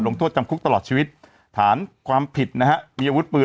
โทษจำคุกตลอดชีวิตฐานความผิดนะฮะมีอาวุธปืน